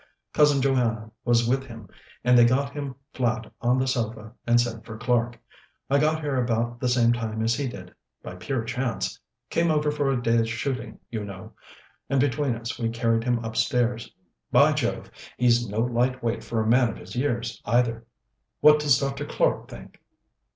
Cousin Joanna was with him, and they got him flat on the sofa, and sent for Clark. I got here about the same time as he did, by pure chance came over for a day's shooting, you know and between us we carried him upstairs. By Jove! he's no light weight for a man of his years, either." "What does Dr. Clark think?"